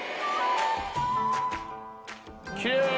きれい！